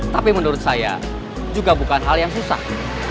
tapi menurut saya juga bukan hal yang susah